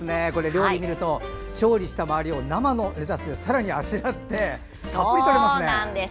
料理を見ると、調理した周りを生のレタスでさらにあしらってたっぷりとれますね。